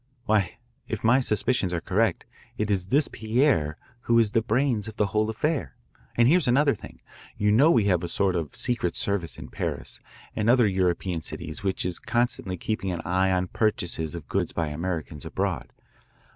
"Why, if my suspicions are correct, it is this Pierre who is the brains of the whole affair. And here's another thing. You know we have a sort of secret service in Paris and other European cities which is constantly keeping an eye on purchases of goods by Americans abroad.